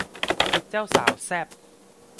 ชุดเจ้าสาวแซ่บ